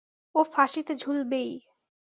ও ফাঁসিতে ঝুলবেই!